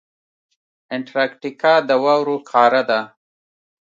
انټارکټیکا د واورو قاره ده.